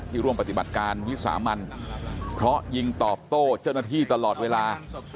ร่วมปฏิบัติการวิสามันเพราะยิงตอบโต้เจ้าหน้าที่ตลอดเวลา